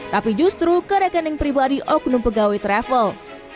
tapi justru ke rekening pribadi oknum pegawai travel